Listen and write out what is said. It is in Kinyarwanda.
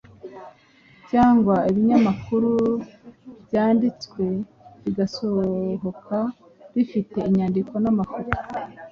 cyangwa ibinyamakuru byanditswe bigasohoka bifite inyandiko n’amafoto